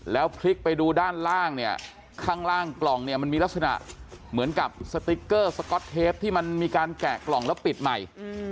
แล้วพลิกไปดูด้านล่างข้างล่างกล่องมีลักษณะเหมือนกับสติ๊กเกอร์ซคอสเทปที่มีการแกะกล่องแล้วปิดใหม่